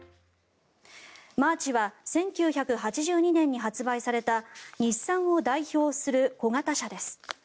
マーチは１９８２年に発売された日産を代表する小型車です。